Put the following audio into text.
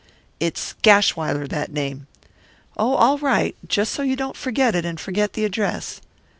"It's Gashwiler that name." "Oh, all right, just so you don't forget it and forget the address."